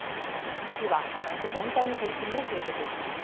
市は町全体に取り組みを広げていきます。